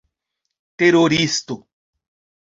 teroristo